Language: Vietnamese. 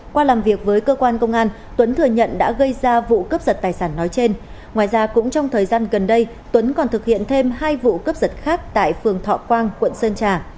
qua làm việc với cơ quan công an tuấn thừa nhận đã gây ra vụ cướp giật tài sản nói trên ngoài ra cũng trong thời gian gần đây tuấn còn thực hiện thêm hai vụ cướp giật khác tại phường thọ quang quận sơn trà